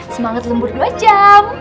semangat lembur dua jam